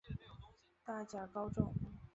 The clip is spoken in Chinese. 大甲高中